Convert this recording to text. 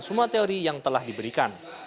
dan penerapan sumatang